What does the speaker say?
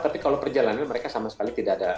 tapi kalau perjalanan mereka sama sekali tidak ada